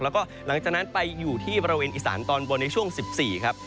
แล้วก็หลังจากนั้นไปอยู่ที่บริเวณอีสานตอนบนในช่วง๑๔ครับ